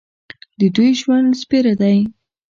د دوی ژوند سپېره دی.